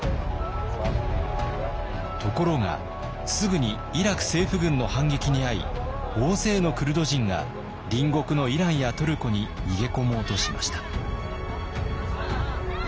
ところがすぐにイラク政府軍の反撃に遭い大勢のクルド人が隣国のイランやトルコに逃げ込もうとしました。